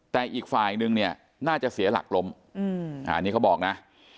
แต่อีกฝ่ายนึงเนี่ยน่าจะเสียหลักล้มอันนี้เขาบอกนะ